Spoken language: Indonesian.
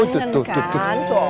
tuh tuh tuh